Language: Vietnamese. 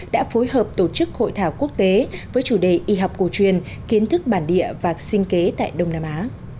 đã phối hợp tổ chức hội thảo quốc tế với chủ đề y học cổ truyền kiến thức bản địa và sinh kế tại đông nam á